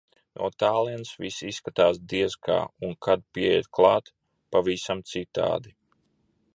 No tālienes viss izskatās, diez kā, un kad pieiet klāt - pavisam citādi.